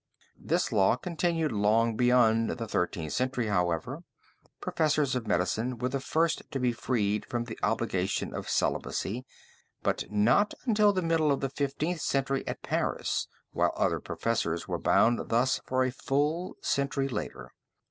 This law continued long beyond the Thirteenth Century, however. Professors of medicine were the first to be freed from the obligation of celibacy, but not until the middle of the Fifteenth Century at Paris, while other professors were bound thus for a full century later.